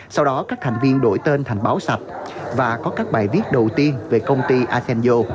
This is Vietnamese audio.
sau đó các thành viên đổi tên thành báo sạch và có các bài viết đầu tiên về công ty asenjo